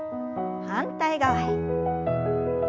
反対側へ。